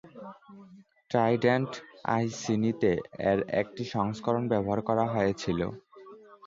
Trident আইসিনিতে এর একটি সংস্করণ ব্যবহার করা হয়েছিল।